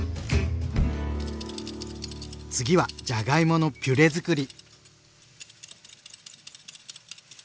次はじゃがいものピュレづくり。